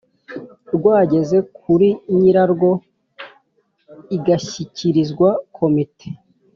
rwageze kuri nyirarwo igashyikirizwa Komite